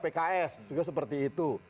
pks juga seperti itu